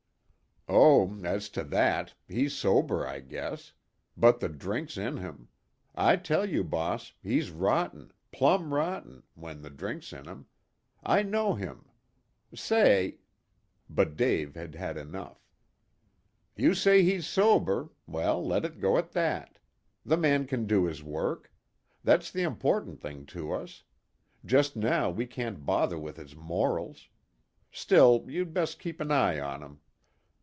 "Oh, as to that, he's sober, I guess. But the drink's in him. I tell you, boss, he's rotten plumb rotten when the drink's in him. I know him. Say " But Dave had had enough. "You say he's sober well, let it go at that. The man can do his work. That's the important thing to us. Just now we can't bother with his morals. Still, you'd best keep an eye on him."